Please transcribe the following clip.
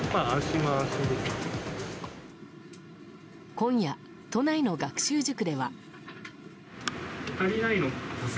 今夜、都内の学習塾では。